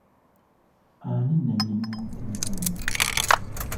Ani nnanyini woteeri eyo?